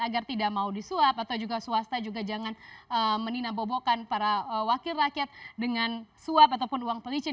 agar tidak mau disuap atau juga swasta juga jangan meninabobokan para wakil rakyat dengan suap ataupun uang pelicin